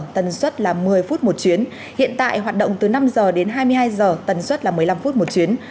tần suất là một mươi phút một chuyến hiện tại hoạt động từ năm giờ đến hai mươi hai giờ tần suất là một mươi năm phút một chuyến